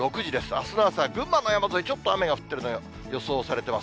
あすの朝、群馬の山沿い、ちょっと雨が降ってるのが予想されてます。